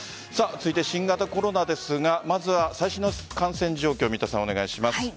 続いて新型コロナですがまずは最新の感染状況を三田さん、お願いします。